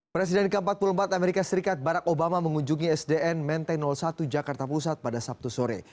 presiden ke empat puluh empat amerika serikat barack obama mengunjungi sdn menteng satu jakarta pusat pada sabtu sore